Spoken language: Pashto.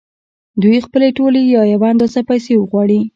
دوی خپلې ټولې یا یوه اندازه پیسې وغواړي